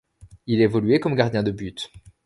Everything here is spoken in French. Il évoluait comme gardien de but.